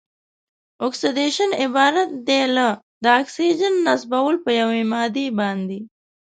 اکسیدیشن عبارت دی له د اکسیجن نصبول په یوې مادې باندې.